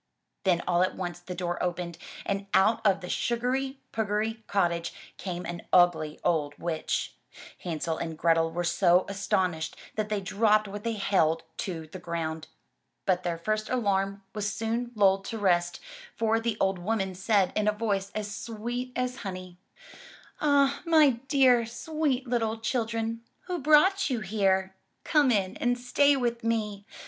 Then all at once the door opened, and out of the sugary pugary cottage, came an ugly old witch. Hansel and Grethel were so astonislied that they dropped what they held to the ground. But their first alarm was soon lulled to rest, for the old woman said in a voice as sweet as honey: Ah, my dear, sweet little children, who brought you here? Come in and stay with me!